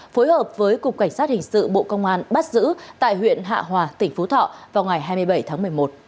phối hợp với cục cảnh sát hình sự bộ công an bắt giữ tại huyện hạ hòa tỉnh phú thọ vào ngày hai mươi bảy tháng một mươi một